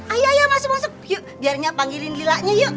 ayo ayah masuk masuk yuk biarnya panggilin lilanya yuk